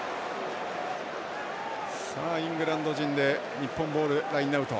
イングランド陣で日本ボール、ラインアウト。